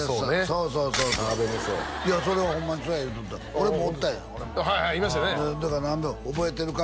そうそうそうそういやそれホンマにそうや言うとった俺もおったんや俺もはいはいいましたねだから「覚えてるか？」